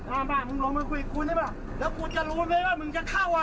อ่ามาลงมาคุยกูนี่มาแล้วกูจะรู้ไหมว่ามึงจะเข้าอ่ะ